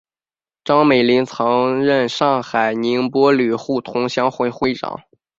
张美翊曾任上海宁波旅沪同乡会会长。